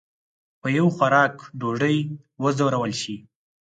په یو خوراک ډوډۍ وځورول شي.